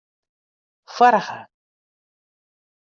Foarige.